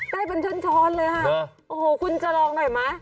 ได้เป็นช้อนช้อนเลยค่ะโอ้โหคุณจะลองหน่อยไหม